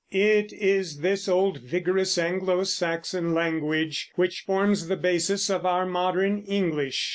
It is this old vigorous Anglo Saxon language which forms the basis of our modern English.